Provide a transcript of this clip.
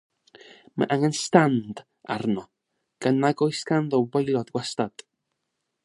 Mae angen stand arno gan nad oes ganddo waelod gwastad.